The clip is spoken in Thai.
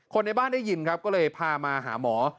ในบ้านได้ยินครับก็เลยพามาหาหมอ